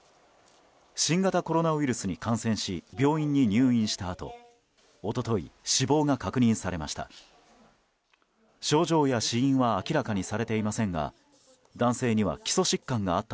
新型コロナウイルスに感染し病院に入院したあと一昨日、死亡が確認されました。